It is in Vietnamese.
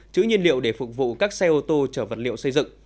chữ nhiên liệu để phục vụ các xe ô tô chở vật liệu xây dựng